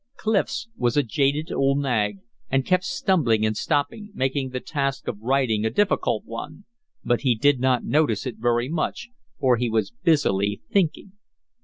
Clif's was a jaded old nag, and kept stumbling and stopping, making the task of riding a difficult one, but he did not notice it very much, for he was busily thinking.